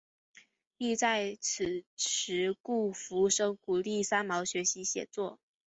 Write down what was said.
亦在此时顾福生鼓励三毛学习写作。